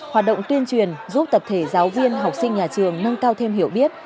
hoạt động tuyên truyền giúp tập thể giáo viên học sinh nhà trường nâng cao thêm hiểu biết